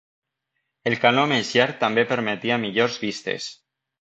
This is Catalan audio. El canó més llarg també permetia millors vistes.